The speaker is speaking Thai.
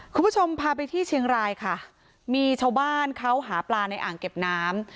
คุณผู้ชมพาไปที่เชียงรายค่ะมีชาวบ้านเขาหาปลาในอ่างเก็บน้ำ